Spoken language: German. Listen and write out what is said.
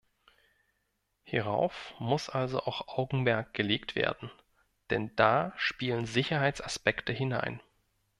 Hierauf muss also auch Augenmerk gelegt werden, denn da spielen Sicherheitsaspekte hinein.